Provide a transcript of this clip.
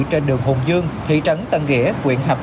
trên đường hùng dương thị trấn tân nghĩa huyện hàm tân